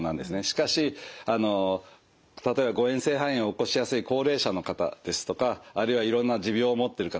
しかしあの例えば誤えん性肺炎を起こしやすい高齢者の方ですとかあるいはいろんな持病を持っている方